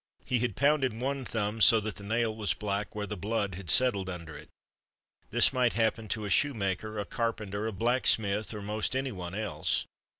He had pounded one thumb so that the nail was black where the blood had settled under it. This might happen to a shoemaker, a carpenter, a blacksmith or most anyone else.